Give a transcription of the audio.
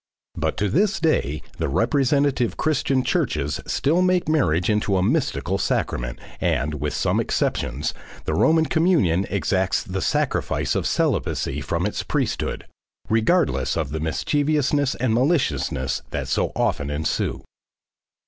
But to this day the representative Christian churches still make marriage into a mystical sacrament, and, with some exceptions, the Roman communion exacts the sacrifice of celibacy from its priesthood, regardless of the mischievousness and maliciousness that so often ensue.